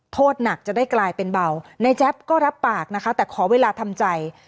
โทษหนักจะได้กลายเป็นเบาในแจ๊บก็รับปากนะคะแต่ขอเวลาทำใจ